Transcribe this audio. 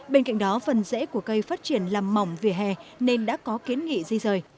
bên cạnh đó phần rễ của cây phát triển làm mỏng về hè nên đã có kiến nghị di rời